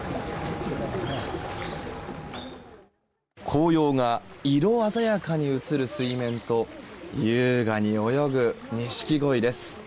紅葉が色鮮やかに映る水面と優雅に泳ぐニシキゴイです。